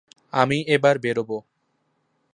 আমি এবার বেরোবো।